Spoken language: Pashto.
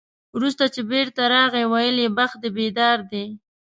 وروسته چې بېرته راغی، ویل یې بخت دې بیدار دی.